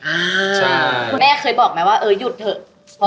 คุณแม่เคยบอกไหมว่าเออหยุดเถอะ